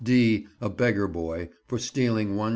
(d) A beggar boy, for stealing 1s.